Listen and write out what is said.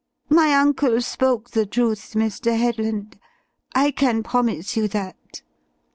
My uncle spoke the truth, Mr. Headland I can promise you that."